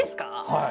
はい。